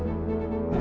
bukan untuk bekerja